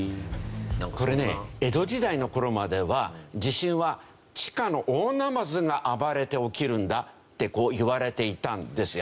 これね江戸時代の頃までは地震は地下の大ナマズが暴れて起きるんだっていわれていたんですよ。